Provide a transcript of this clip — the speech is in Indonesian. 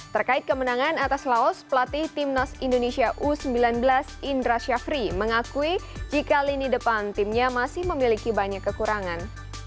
terkait kemenangan atas laos pelatih timnas indonesia u sembilan belas indra syafri mengakui jika lini depan timnya masih memiliki banyak kekurangan